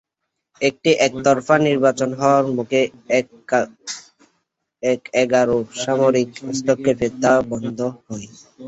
একটি একতরফা নির্বাচন হওয়ার মুখে এক এগারোর সামরিক হস্তক্ষেপে তা বন্ধ হয়।